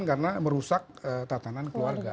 karena merusak tatanan keluarga